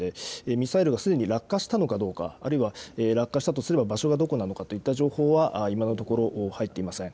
ミサイルはすでに落下したのかどうか、あるいは落下したとすれば場所はどこなのかといった情報は今のところ入っていません。